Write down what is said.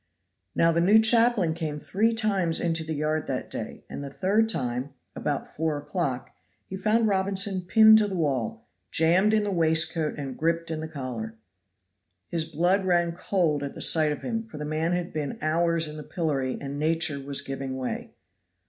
Now the new chaplain came three times into the yard that day, and the third time, about four o'clock, he found Robinson pinned to the wall, jammed in the waistcoat and griped in the collar. His blood ran cold at sight of him, for the man had been hours in the pillory and nature was giving way.